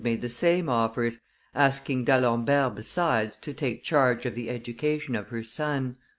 made the same offers, asking D'Alembert, besides, to take charge of the education of her son.